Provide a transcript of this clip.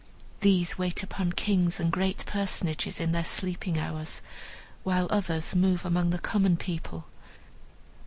These wait upon kings and great personages in their sleeping hours, while others move among the common people.